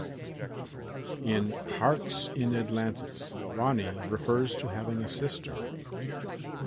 In "Hearts In Atlantis", Ronnie refers to having a sister.